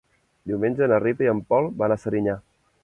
Diumenge na Rita i en Pol van a Serinyà.